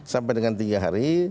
sampai dengan tiga hari